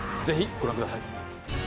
ぜひご覧ください